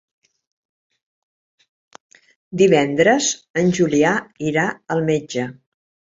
Divendres en Julià irà al metge.